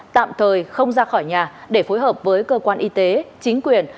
tạm thời không ra khỏi nhà để phối hợp với cơ quan y tế chính quyền